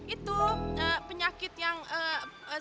itu penyakit yang sakit kepala ini